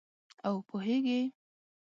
او پوهیږې